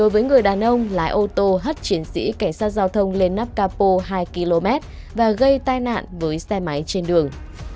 với người đàn ông lái ô tô hất chiến sĩ cảnh sát giao thông lên nắp capo hai km và gây tai nạn với xe máy trên đường